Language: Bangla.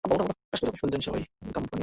শুনছেন সবাই, আমি গাম্বো বানিয়েছি!